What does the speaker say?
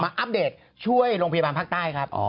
อัปเดตช่วยโรงพยาบาลภาคใต้ครับ